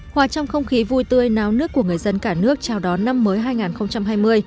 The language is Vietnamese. hòa trong không khí vui tươi náo nước của người dân cả nước chào đón năm mới hai nghìn hai mươi